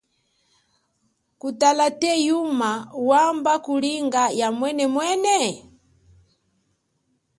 Kutala the, yuma wamba kulinga ya umwenemwene?